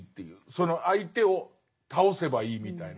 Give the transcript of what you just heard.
その相手を倒せばいいみたいな。